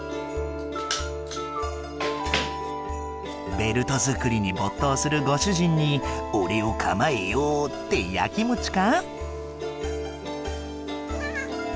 ベルト作りに没頭するご主人に俺を構えよってやきもちか？